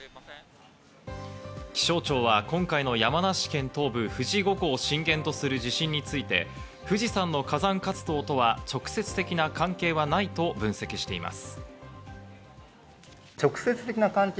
気象庁は今回の山梨県東部・富士五湖を震源とする地震について、富士山の火山活動とは直接的な関係はないと分析しています。